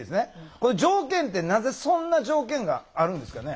この条件ってなぜそんな条件があるんですかね。